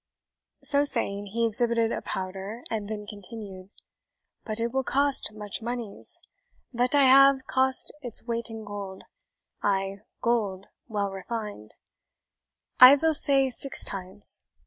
So saying, he exhibited a powder, and then continued, "But it will cost much moneys. Vat I ave cost its weight in gold ay, gold well refined I vill say six times.